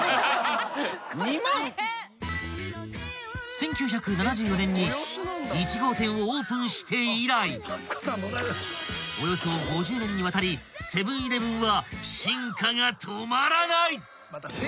［１９７４年に１号店をオープンして以来およそ５０年にわたりセブン−イレブンは進化が止まらない］